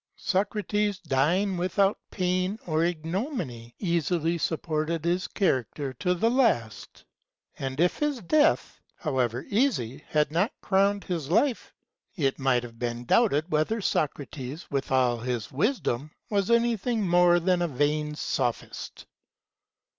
Socrates dying without pain or ignominy, easily supported his character to the last; and if his death, however easy, had not crowned his life, it might have 3284 JEAN JACQUES ROUSSEAU been doubted whether Socrates, with all his wisdom, was anything more than a vain sophist.